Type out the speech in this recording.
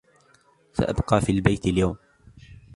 سأبقى في البيت اليوم.